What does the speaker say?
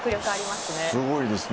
すごいですね。